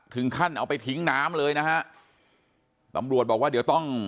เอาไปทิ้งน้ำเลยนะฮะตำรวจบอกว่าเดี๋ยวต้อง